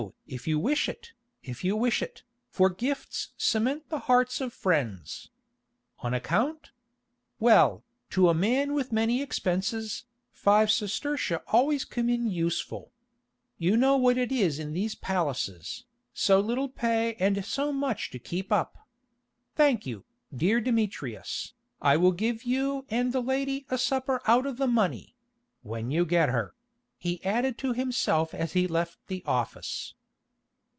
if you wish it, if you wish it, for gifts cement the hearts of friends. On account? Well, to a man with many expenses, five sestertia always come in useful. You know what it is in these palaces, so little pay and so much to keep up. Thank you, dear Demetrius, I will give you and the lady a supper out of the money—when you get her," he added to himself as he left the office.